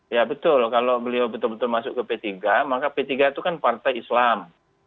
ya betul kalau beliau betul betul masuk ke p tiga maka p tiga itu kan partai islam